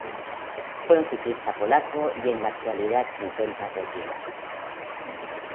Fue un ciclista polaco y en la actualidad se encuentra retirado.